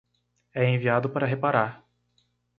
É enviado para reparar